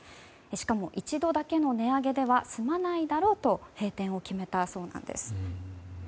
しかも一度だけの値上げでは済まないだろうと閉店を決めたそうなんです。